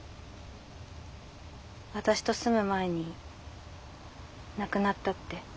私と住む前に亡くなったって。